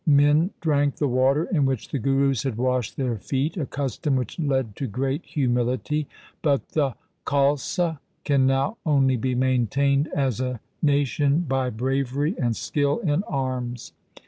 Men drank the water in which the Gurus had washed their feet, a custom which led to great humility ; but the Khalsa can now only be main tained as a nation by bravery and skill in arms.